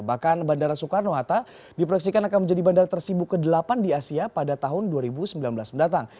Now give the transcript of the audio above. bahkan bandara soekarno hatta diproyeksikan akan menjadi bandara tersibuk ke delapan di asia pada tahun dua ribu sembilan belas mendatang